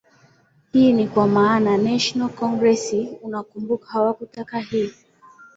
hii ni kwa maana national congress unakumbuka hawakutaka hii